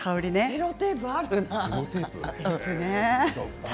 セロテープあるな。